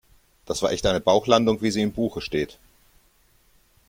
Das war echt eine Bauchlandung, wie sie im Buche steht.